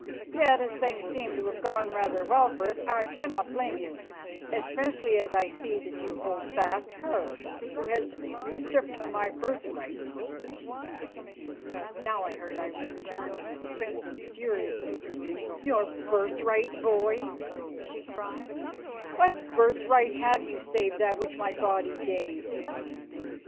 "Yet as things seem to have gone rather well for us, I cannot blame you, especially as I see that you hold fast her who has usurped my birthright." Now I heard Irene turn with a swift and furious movement. "Your birthright, boy," she cried. "What birthright have you save that which my body gave?"